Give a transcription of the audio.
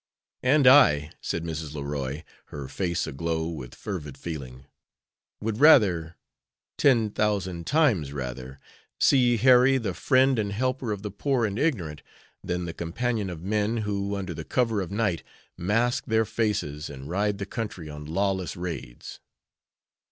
"And I," said Mrs. Leroy, her face aglow with fervid feeling, "would rather ten thousand times rather see Harry the friend and helper of the poor and ignorant than the companion of men who, under the cover of night, mask their faces and ride the country on lawless raids."